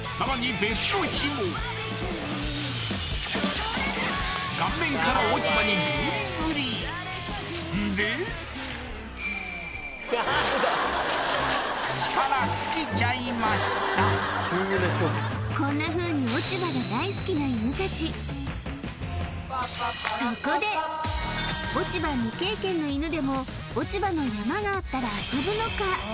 別の日も顔面から落ち葉にぐりぐりんでこんなふうに落ち葉が大好きな犬たちの犬でも落ち葉の山があったら遊ぶのか？